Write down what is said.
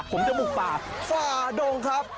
ผมจะบุกป่าฝ่าดงครับ